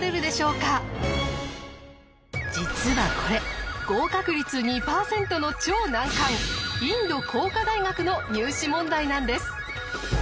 こちらは実はこれ合格率２％の超難関インド工科大学の入試問題なんです！